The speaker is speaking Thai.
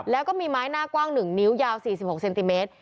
แล้วก็มีไม้หน้ากว้าง๑นิ้วยาว๔๖เซนติเมตร